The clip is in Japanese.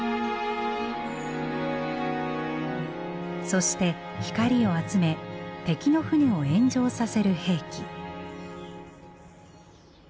そして光を集め敵の船を炎上させる兵器。